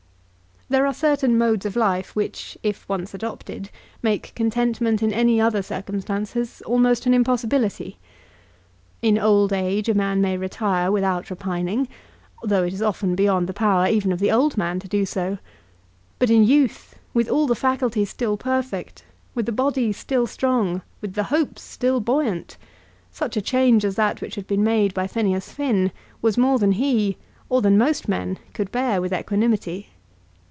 There are certain modes of life which, if once adopted, make contentment in any other circumstances almost an impossibility. In old age a man may retire without repining, though it is often beyond the power even of the old man to do so; but in youth, with all the faculties still perfect, with the body still strong, with the hopes still buoyant, such a change as that which had been made by Phineas Finn was more than he, or than most men, could bear with equanimity.